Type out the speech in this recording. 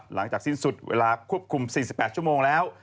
หลังจากสิ้นสุดเวลาควบคุม๔๘ชั่วโมงแล้ว